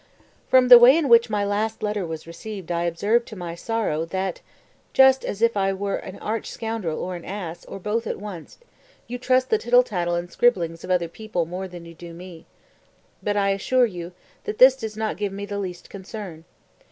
235. "From the way in which my last letter was received I observe to my sorrow that (just as if I were an arch scoundrel or an ass, or both at once) you trust the tittle tattle and scribblings of other people more than you do me. But I assure you that this does not give me the least concern.